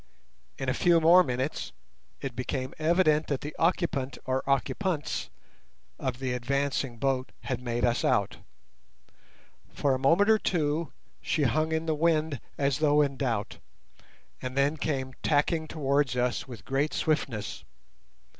In a few more minutes it became evident that the occupant or occupants of the advancing boat had made us out. For a moment or two she hung in the wind as though in doubt, and then came tacking towards us with great swiftness.